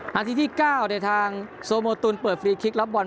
นาทีที่๙ทางโซโมตุลเปิดฟรีคลิกรับบอล